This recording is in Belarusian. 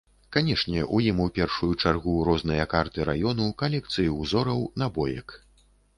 Канешне, у ім у першую чаргу розныя карты раёну, калекцыі ўзораў, набоек.